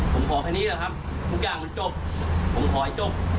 ผมขอแค่นี้แหละครับทุกอย่างมันจบผมขอให้จบ